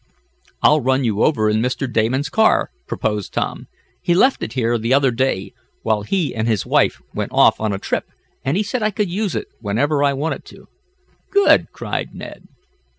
"I'll run you over in Mr. Damon's car," proposed Tom. "He left it here the other day, while he and his wife went off on a trip, and he said I could use it whenever I wanted to." "Good!" cried Ned.